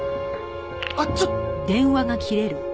あっちょっ！